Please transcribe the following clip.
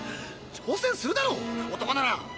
挑戦するだろ男なら！